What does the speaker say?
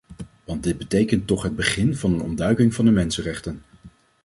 Want dit betekent toch het begin van een ontduiking van de mensenrechten.